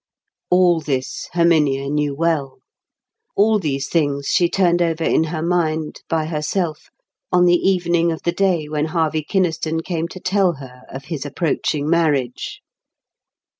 All this Herminia knew well. All these things she turned over in her mind by herself on the evening of the day when Harvey Kynaston came to tell her of his approaching marriage.